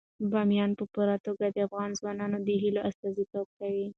بامیان په پوره توګه د افغان ځوانانو د هیلو استازیتوب کوي.